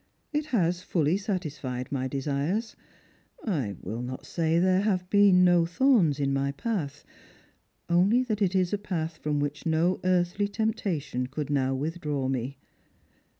It has fully satisfied my desires. I will not say there have beeu no thorns in my path, only that it is a path from which no earthly temptation could now withdraw me.